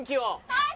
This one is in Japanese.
はい！